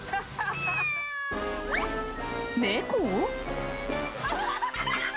猫？